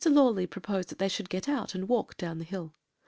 Lawley proposed that they should get out and walk down the hill.